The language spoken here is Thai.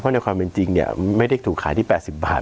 เพราะในความเป็นจริงเนี่ยไม่ได้ถูกขายที่๘๐บาท